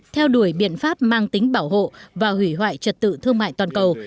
theo đuổi biện pháp mang tính bảo hộ và hủy hoại trật tự thương mại toàn cầu